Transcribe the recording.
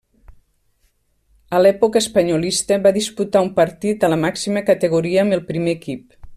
A l'època espanyolista, va disputar un partit a la màxima categoria amb el primer equip.